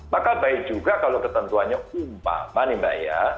maka baik juga kalau ketentuannya umpama nih mbak ya